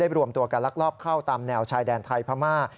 รวมตัวกันลักลอบเข้าตามแนวชายแดนไทยพม่า